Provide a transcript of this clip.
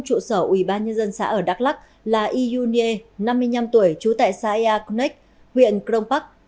trụ sở ủy ban nhân dân xã ở đắk lắc là yiu nie năm mươi năm tuổi chú tại xã eak neck huyện krong pak